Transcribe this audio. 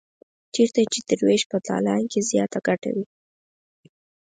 چېرته چې تر وېش په تالان کې زیاته ګټه وي.